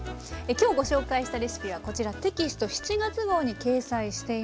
今日ご紹介したレシピはこちらテキスト７月号に掲載しています。